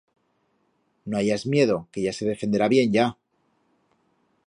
No hayas miedo, que ya se defenderá bien, ya.